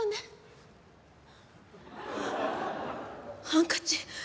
ハンカチ？